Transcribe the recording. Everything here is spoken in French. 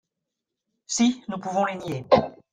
Si, nous pouvons les nier